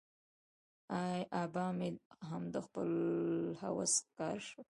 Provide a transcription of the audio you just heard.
آبا مې هم د خپل هوس ښکار شو.